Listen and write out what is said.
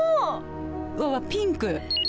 うわうわピンク。